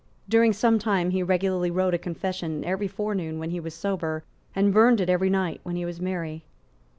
During some time he regularly wrote a confession every forenoon when he was sober, and burned it every night when he was merry.